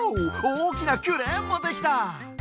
おおきなクレーンもできた！